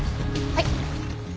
はい。